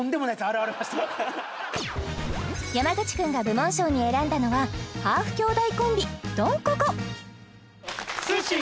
山口君が部門賞に選んだのはハーフ兄弟コンビドンココスシ！